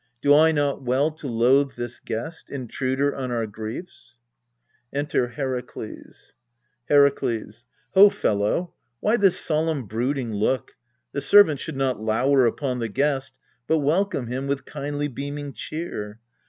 Do I not well To loathe this guest, intruder on our griefs ? Enter HERAKLES Herakles. Ho, fellow, why this solemn brooding look? The servant should not lower upon the guest, But welcome him with kindly beaming cheer.